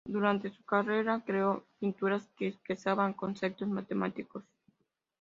Durante su carrera creó pinturas que expresaban conceptos matemáticos.